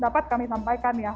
dapat kami sampaikan ya